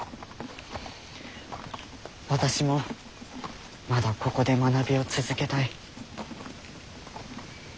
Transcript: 私もまだここで学びを続けたい。